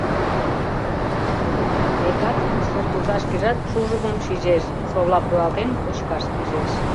Векат, суртоза шкежат шужымым шижеш, совлам руалтен, кочкаш пижеш.